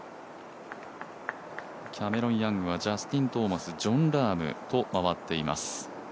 キャメロン・ヤングはジャスティン・トーマスとジョン・ラームと回っています。